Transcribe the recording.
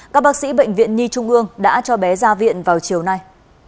các bác sĩ bệnh viện nhi trung ương đã cho bé ra viện vào chiều nay